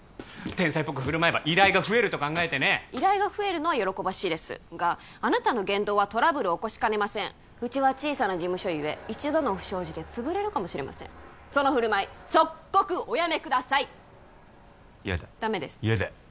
天才っぽく振る舞えば依頼が増えると考えてね依頼が増えるのは喜ばしいですがあなたの言動はトラブルを起こしかねませんうちは小さな事務所ゆえ一度の不祥事で潰れるかもしれませんその振る舞い即刻おやめください嫌だダメです嫌だ